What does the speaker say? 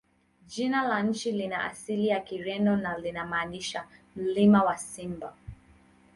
Jina la nchi lina asili ya Kireno na linamaanisha "Mlima wa Simba".